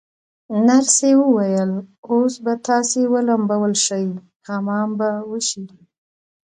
نرسې وویل: اوس به تاسي ولمبول شئ، حمام به وشی.